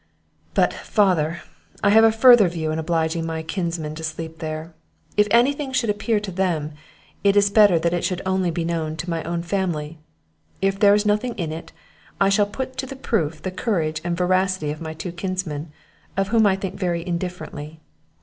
"But, father, I have a further view in obliging my kinsmen to sleep there: if any thing should appear to them, it is better that it should only be known to my own family; if there is nothing in it, I shall put to the proof the courage and veracity of my two kinsmen, of whom I think very indifferently.